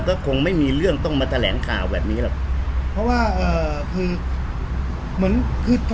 ก็คงไม่มีเรื่องต้องมาแสดงข่าวแบบนี้หรอก